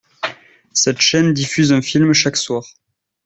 Cette chaîne diffuse un film chaque soir.